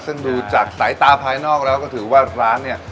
ซึ่งดูจากสายตาภายนอกแล้วก็ถือว่าร้านเนี่ย